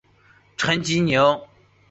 陈吉宁。